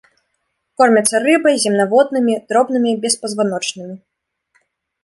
Кормяцца рыбай, земнаводнымі, дробнымі беспазваночнымі.